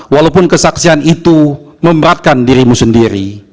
walaupun kesaksian itu memberatkan dirimu sendiri